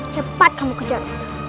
cepat kamu kejar